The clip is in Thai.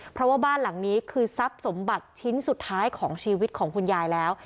เพราะว่าบ้านหลังนี้คือทรัพย์สมบัติชิ้นสุดท้ายของชีวิตของคุณยายแล้ว